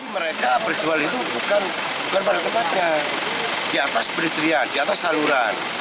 mereka berjual itu bukan pada tempatnya di atas peristrian di atas saluran